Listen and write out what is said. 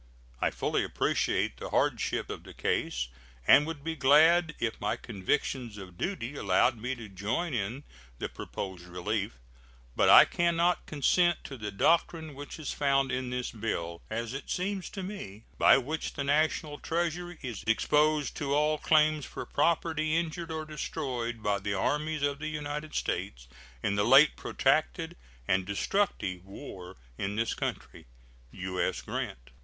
I fully appreciate the hardship of the case, and would be glad if my convictions of duty allowed me to join in the proposed relief; but I can not consent to the doctrine which is found in this bill, as it seems to me, by which the National Treasury is exposed to all claims for property injured or destroyed by the armies of the United States in the late protracted and destructive war in this country. U.S. GRANT.